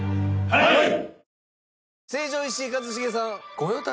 はい！